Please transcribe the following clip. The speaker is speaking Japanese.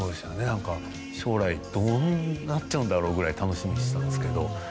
なんか将来どうなっちゃうんだろうぐらい楽しみにしてたんですけど。